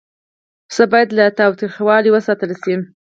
پسه باید له تاوتریخوالي وساتل شي.